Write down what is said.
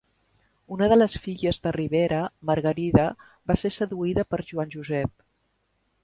Una de les filles de Ribera, Margarida, va ser seduïda per Joan Josep.